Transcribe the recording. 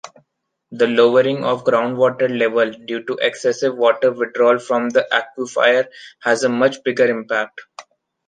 The lowering of the groundwater level due to excessive water withdrawal from the aquifer has a much bigger impact.